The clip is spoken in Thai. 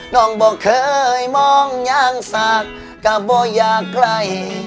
น้องบ่เคยมองอย่างสากก็บ่อยากไกล